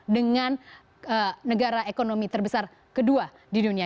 dengan negara ekonomi terbesar kedua di dunia